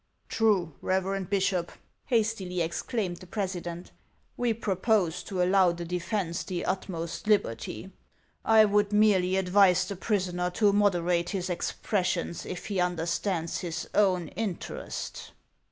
"True, Reverend Bishop," hastily exclaimed the presi dent. "We propose to allow the defence the utmost liberty. I would merely advise the prisoner to moderate his expressions if he understands his own interest."